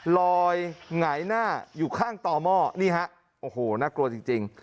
ลอยหงายหน้าอยู่ข้างต่อหม้อนี่ฮะโอ้โหน่ากลัวจริง